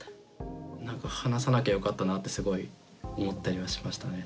話さなきゃよかったなってすごい思ったりはしましたね